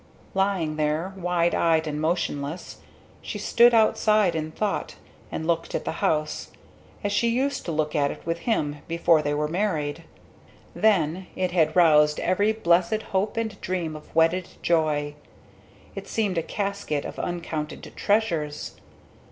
Lying there, wide eyed and motionless, she stood outside in thought and looked at the house as she used to look at it with him, before they were married. Then, it had roused every blessed hope and dream of wedded joy it seemed a casket of uncounted treasures.